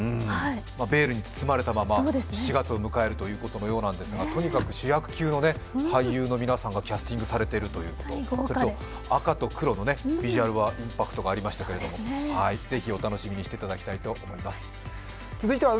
ベールに包まれたまま７月を迎えるということなんですが、とにかく主役級の俳優の皆さんがキャスティングされているということ、ちょっと赤と黒のね、ビジュアルはインパクトがありましたけど港区にある複合施設